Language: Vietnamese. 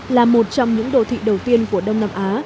là một trong những đô thị đầu tiên của đông nam á